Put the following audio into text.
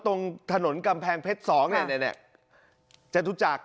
ตรงถนนกำแพงเพชร๒จะรู้จัก